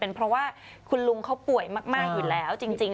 เพราะว่าคุณลุงเขาป่วยมากอยู่แล้วจริง